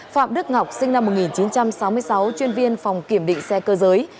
phạm đức ngọc sinh năm một nghìn chín trăm sáu mươi sáu chuyên viên phòng kiểm định xe cơ giới